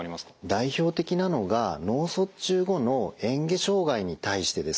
代表的なのが脳卒中後のえん下障害に対してです。